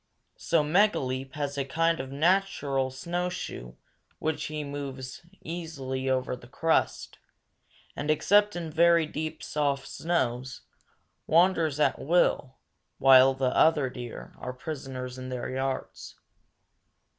So Megaleep has a kind of natural snowshoe with which he moves easily over the crust, and, except in very deep, soft snows, wanders at will, while other deer are prisoners in their yards.